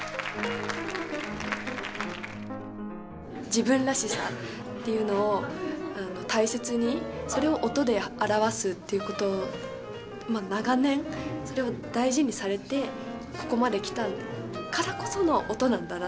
自分らしさっていうのを大切にそれを音で表すっていうことを長年それを大事にされてここまで来たからこその音なんだなって。